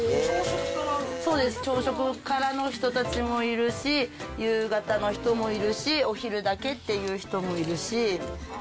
そうです、朝食からの人もいるし、夕方の人もいるし、お昼だけっていう人もいるし。